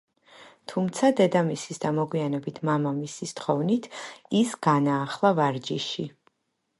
თუმცა, დედამისის და მოგვიანებით მამამისის თხოვნით, ის განაახლა ვარჯიში.